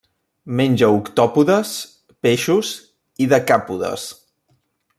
Menja octòpodes, peixos i decàpodes.